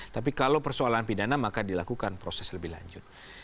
tapi kalau persoalan pidana maka dilakukan proses lebih lanjut